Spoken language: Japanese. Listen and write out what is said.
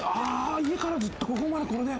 家からずっとここまでこれで。